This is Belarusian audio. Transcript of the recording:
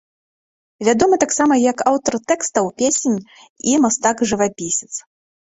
Вядомы таксама як аўтар тэкстаў песень і мастак-жывапісец.